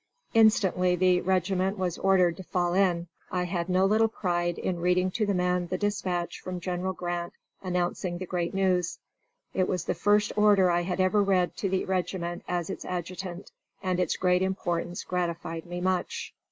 Instantly the regiment was ordered to fall in. I had no little pride in reading to the men the dispatch from General Grant announcing the great news. It was the first order I had ever read to the regiment as its adjutant, and its great importance gratified me much.